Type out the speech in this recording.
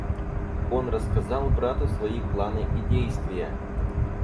Он рассказал брату свои планы и действия.